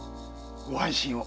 ご安心を。